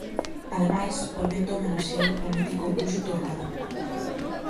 Ademais, o evento homenaxeou o mítico Bruxo Torrado.